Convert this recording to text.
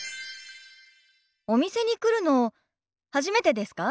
お店に来るの初めてですか？